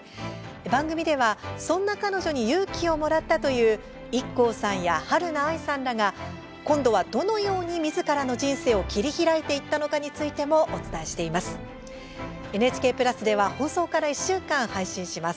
番組では、そんな彼女に勇気をもらったというＩＫＫＯさんやはるな愛さんらが今度は、どのようにみずからの人生を切り開いていったのかについてもお伝えします。